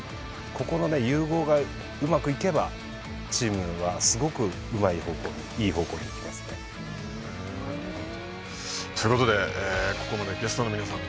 ここのね融合がうまくいけばチームはすごくうまい方向にいい方向に行きますね。ということでここまでゲストの皆さん